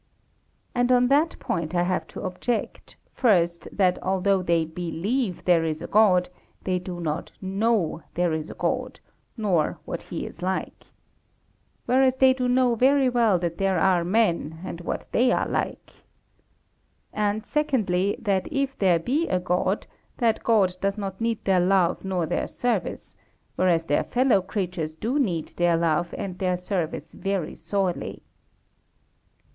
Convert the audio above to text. And on that point I have to object, first, that although they believe there is a God, they do not know there is a God, nor what He is like. Whereas they do know very well that there are men, and what they are like. And, secondly, that if there be a God, that God does not need their love nor their service; whereas their fellow creatures do need their love and their service very sorely.